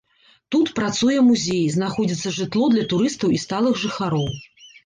Тут працуе музей, знаходзіцца жытло для турыстаў і сталых жыхароў.